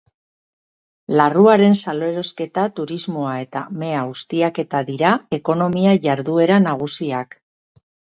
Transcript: Larruaren salerosketa, turismoa eta mea ustiaketa dira ekonomia jarduera nagusiak.